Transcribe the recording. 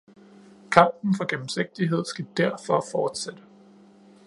Kampen for gennemsigtighed skal derfor fortsætte!